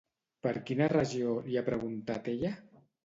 Per quina regió li ha preguntat ella?